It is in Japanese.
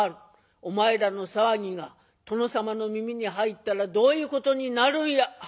お前らの騒ぎが殿様の耳に入ったらどういうことになるんや？」。